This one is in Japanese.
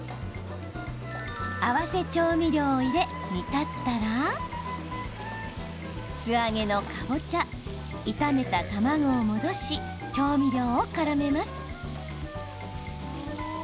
合わせ調味料を入れ、煮立ったら素揚げのかぼちゃ炒めた卵を戻し調味料をからめます。